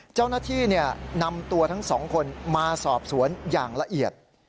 เจ้าหน้าที่นำตัวทั้งสองคนมาสอบสวนอย่างละเอียด